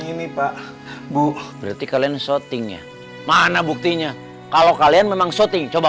ini pak bu berarti kalian syutingnya mana buktinya kalau kalian memang syuting coba